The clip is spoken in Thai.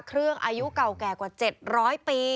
พระเครื่องอายุเก่าแก่กว่า๗๐๐ปี